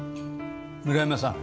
村山さん